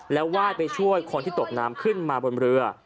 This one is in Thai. แล้วไหว้ไปช่วยคนที่ตกน้ำขึ้นมาบนเรือ